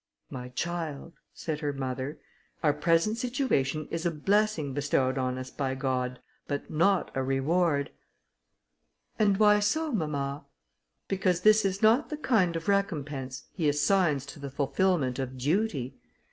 "My child," said her mother, "our present situation is a blessing bestowed on us by God, but not a reward." "And why so, mamma?" "Because this is not the kind of recompense he assigns to the fulfilment of duty.